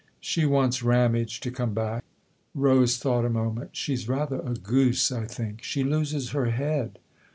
She wants Ramage to come back." Rose thought a moment. " She's rather a goose, I think she loses her head."